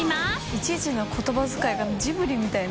いちいち言葉遣いがジブリみたいな。